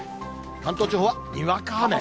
関東地方はにわか雨。